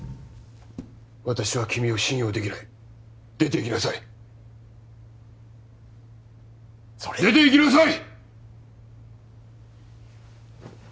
私は君を信用できない出ていきなさい総理出ていきなさい！